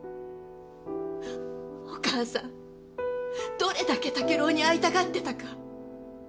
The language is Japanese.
お母さんどれだけ竹郎に会いたがってたか。